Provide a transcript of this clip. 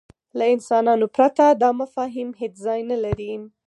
له انسانانو پرته دا مفاهیم هېڅ ځای نهلري.